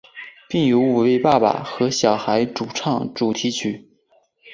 并由五位爸爸和小孩主唱主题曲。